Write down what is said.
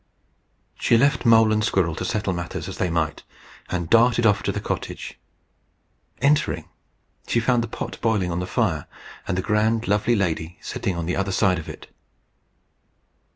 She left Mole and Squirrel to settle matters as they might, and darted off to the cottage. Entering, she found the pot boiling on the fire, and the grand, lovely lady sitting on the other side of it.